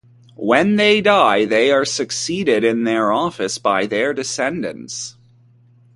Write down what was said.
When they die they are succeeded in their office by their descendants.